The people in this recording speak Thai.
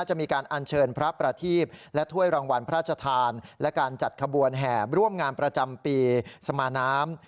จะมีการอัญเชิญพระประทีพและถ้วยรางวัลพระราชทานและการจัดขบวนแห่ร่วมงานประจำปีสมาน้ำ